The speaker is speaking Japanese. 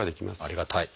ありがたい。